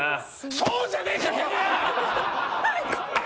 そうじゃねえかてめえ！